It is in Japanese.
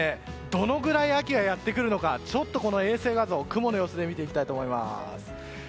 どのくらい秋がやってくるのか衛星画像、雲の様子で見ていきたいと思います。